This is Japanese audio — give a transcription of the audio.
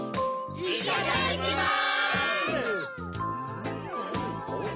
いただきます！